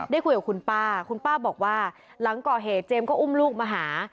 ได้คุยกับคุณป้าคุณป้าบอกว่าหลังก่อเหตุเจมส์ก็อุ้มลูกมาหา